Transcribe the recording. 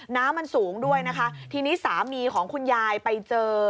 น้ำมันสูงด้วยนะคะทีนี้สามีของคุณยายไปเจอ